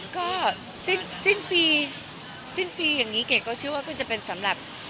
ก็สิ้นปีสิ้นปีอย่างนี้เกดก็เชื่อว่าก็จะเป็นสำหรับ